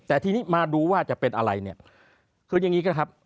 แต่ทีนี้มาดูว่าจะเป็นอะไรเนี่ยคืออย่างนี้ก็ครับ